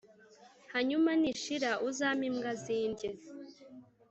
hanyuma nishira uzampe imbwa zindye.